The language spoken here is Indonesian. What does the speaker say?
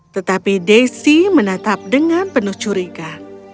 tetapi desi menatap dengan penuh curiga